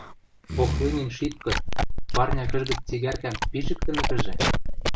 Охлынин шит кыт, парня кӹжгӹц цигӓркӓм пижӹктӹмӹкӹжӹ: